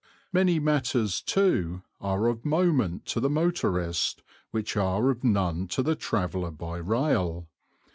Many matters, too, are of moment to the motorist which are of none to the traveller by rail.